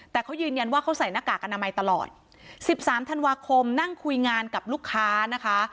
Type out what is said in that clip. แต่เขายืนยันว่าเขาใส่หน้ากากอนามัยตลอด๑๓ธันวาคมนั่งคุยงานกับลูกค้านะคะ